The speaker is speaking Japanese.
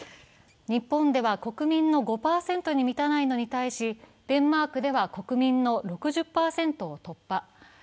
日本では国民の５％に満たないのに対し、デンマークでは国民の６０％を突破。